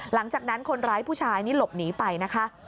หลังจากนั้นคนร้ายผู้ชายนี่หลบหนีไปนะคะ